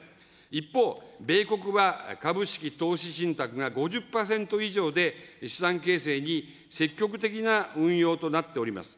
一方、米国は株式、投資信託が５０％以上で、資産形成に積極的な運用となっております。